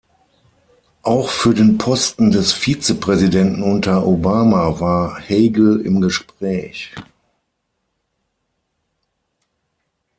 Auch für den Posten des Vizepräsidenten unter Obama war Hagel im Gespräch.